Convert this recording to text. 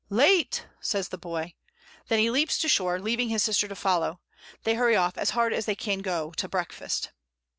"Late!" says the boy. Then he leaps to shore, leaving his sister to follow, and they hurry ofl" as hard as they can go to breakfast.